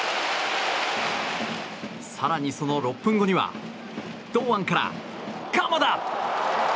更にその６分後には堂安から鎌田！